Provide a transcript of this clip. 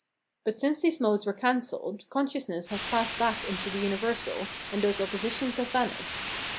But since these modes were cancelled, consciousness has passed back into the universal and those opposi tions have vanished.